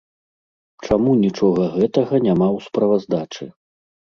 Чаму нічога гэтага няма ў справаздачы?